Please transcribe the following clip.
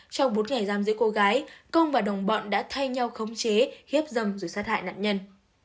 trong bốn ngày giam giữ cô gái công và đồng bọn đã thay nhau khống chế hiếp dâm rồi sát hại nạn nhân